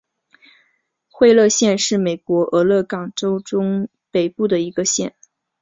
惠勒县是美国俄勒冈州中北部的一个县。